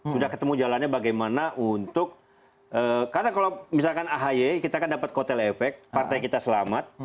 sudah ketemu jalannya bagaimana untuk karena kalau misalkan ahy kita kan dapat kotel efek partai kita selamat